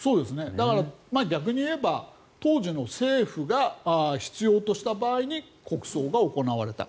だから逆に言えば当時の政府が必要とした場合に国葬が行われた。